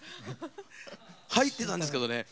入ってたんですけどね。